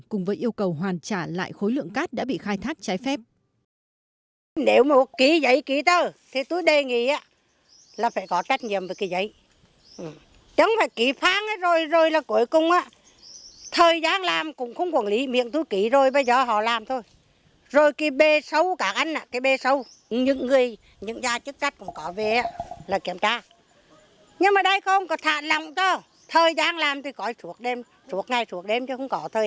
cùng với yêu cầu hoàn trả lại khối lượng cát đã bị khai thác trái phép